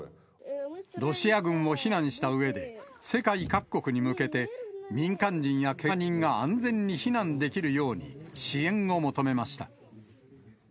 ロシア軍を非難したうえで、世界各国に向けて、民間人やけが人が安全に避難できるように、支援を求めました。